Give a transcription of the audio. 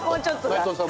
内藤さん